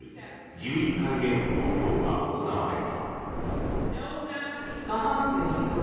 １１回目の投票が行われた。